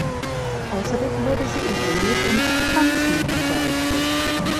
Außerdem wurde sie in Englisch und Tanzen unterrichtet.